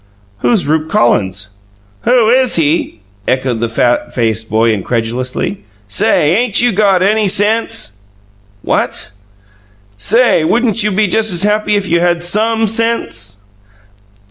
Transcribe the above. "Who's Rupe Collins?" "Who is he?" echoed the fat faced boy incredulously. "Say, ain't you got ANY sense?" "What?" "Say, wouldn't you be just as happy if you had SOME sense?"